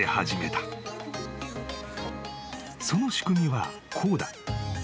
［その仕組みはこうだ］